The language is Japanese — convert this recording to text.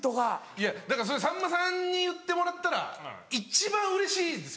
いやだからそれさんまさんに言ってもらったら一番うれしいんです